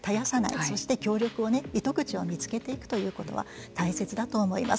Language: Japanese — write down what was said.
そして協力を糸口を見つけていくということは大切だと思います。